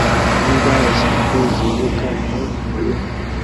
Imbwa eshatu ziruka mu murima